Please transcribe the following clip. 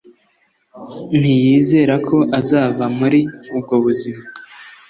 Ntiyizera ko azava muri ubwo buzima.